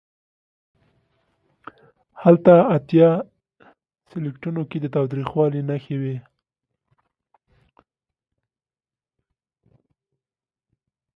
هلته اتیا سلکیټونو کې د تاوتریخوالي نښې وې.